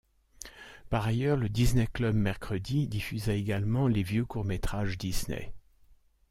Par ailleurs, le Disney Club mercredi diffusa également les vieux courts-métrages Disney.